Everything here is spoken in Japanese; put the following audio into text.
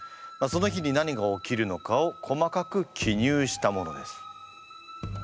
その日に何が起きるのかを細かく記入したものです。